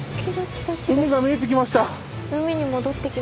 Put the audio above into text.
海が見えてきました。